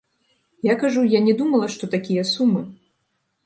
Я кажу, я не думала, што такія сумы.